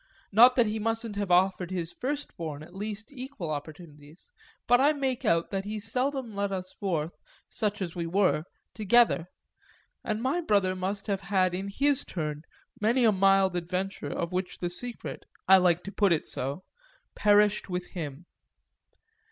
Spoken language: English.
Not that he mustn't have offered his firstborn at least equal opportunities; but I make out that he seldom led us forth, such as we were, together, and my brother must have had in his turn many a mild adventure of which the secret I like to put it so perished with him.